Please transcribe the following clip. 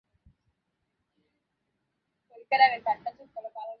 একজন শুঁড়ে এবং চতুর্থ জন কানে।